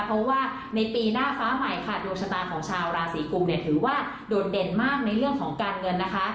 เพราะว่าในปีหน้าฟ้าใหม่ค่ะดวงชะตาของชาวราศีกุมเนี่ยถือว่าโดดเด่นมากในเรื่องของการเงินนะคะ